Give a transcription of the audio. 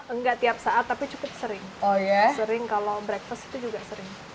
enggak tiap saat tapi cukup sering sering kalau breakfast itu juga sering